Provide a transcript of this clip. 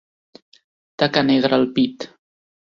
Taca negra al pit.